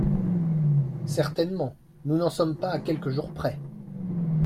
Certainement, nous n’en sommes pas à quelques jours près.